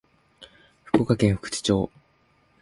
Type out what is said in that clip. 福岡県福智町